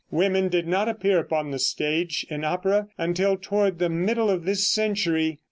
Women did not appear upon the stage in opera until toward the middle of this century.